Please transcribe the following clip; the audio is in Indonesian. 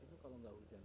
itu kalau enggak hujan